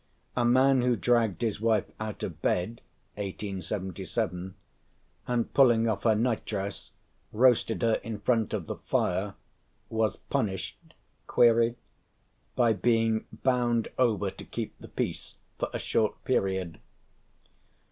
A man who dragged his wife out of bed (1877), and, pulling off her nightdress, roasted her in front of the fire, was punished (?) by being bound over to keep the peace for a short period.